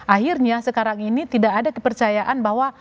akhirnya sekarang ini tidak ada kepercayaan bahwa